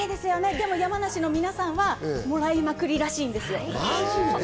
でも山梨の皆さんはもらいまくりらしいんですよ。